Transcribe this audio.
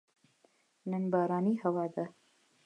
نن بارانې هوا ده